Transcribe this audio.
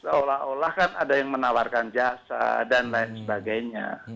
seolah olah kan ada yang menawarkan jasa dan lain sebagainya